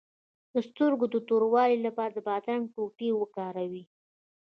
د سترګو د توروالي لپاره د بادرنګ ټوټې وکاروئ